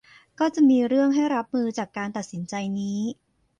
ก็จะมีเรื่องให้รับมือจากการตัดสินใจนี้